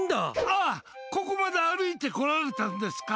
あっ、ここまで歩いて来られたんですか？